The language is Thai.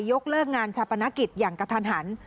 ยกเลิกงานชาปนกิจอย่างกระทันหัน